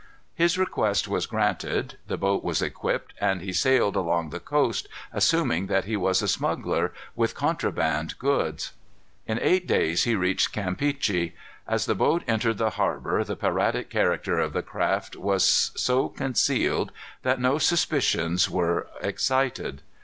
His request was granted. The boat was equipped, and he sailed along the coast, assuming that he was a smuggler, with contraband goods. In eight days he reached Campeachy. As the boat entered the harbor, the piratic character of the craft was so concealed that no suspicions were excited.